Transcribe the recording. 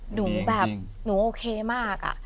หนูแบบหนูโอเคมากอะ